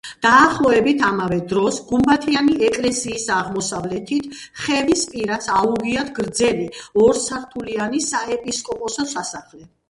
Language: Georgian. დაახლოებით ამავე დროს, გუმბათიანი ეკლესიის აღმოსავლეთით, ხევის პირას აუგიათ გრძელი, ორსართულიანი საეპისკოპოსო სასახლე.